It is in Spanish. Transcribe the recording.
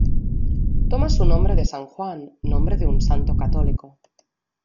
Toma su nombre de San Juan, nombre de un santo católico.